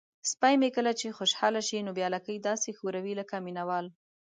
سپی مې کله چې خوشحاله شي نو بیا لکۍ داسې ښوروي لکه مینه وال.